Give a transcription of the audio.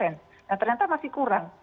nah ternyata masih kurang